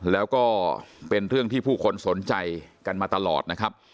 แล้วก็เป็นเรื่องที่ผู้คนสนใจกันมาตลอดนะครับ